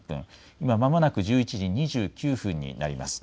今まもなく１１時２９分になります。